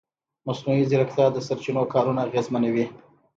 مصنوعي ځیرکتیا د سرچینو کارونه اغېزمنوي.